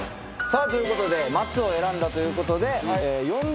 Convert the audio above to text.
さあということで松を選んだということで。